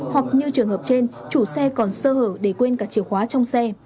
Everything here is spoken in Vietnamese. hoặc như trường hợp trên chủ xe còn sơ hở để quên cả chìa khóa trong xe